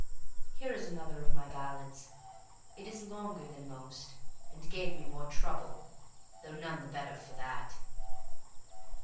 Here is another of my ballads. It is longer than most, and gave me more trouble, though none the better for that.